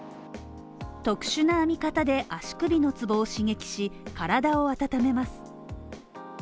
特殊な編み方で、足首のツボを刺激し、体を温めます。